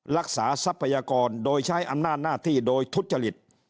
รักษาทรัพยากรโดยใช้อำนาจหน้าที่โดยทุจจฤทธิ์